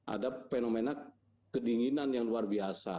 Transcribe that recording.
ada fenomena kedinginan yang luar biasa